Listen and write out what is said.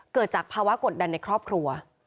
เกิดจากภาวะกดดันในครอบครัว